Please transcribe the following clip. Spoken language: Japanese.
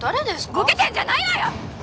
とぼけてんじゃないわよ！